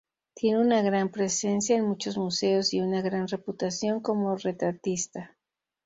Tiene una gran presencia en muchos museos y una gran reputación como retratista.